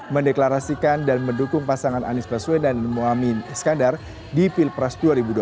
mendeklarasikan dan mendukung pasangan anies baswedan dan muamin iskandar di pilpres dua ribu dua puluh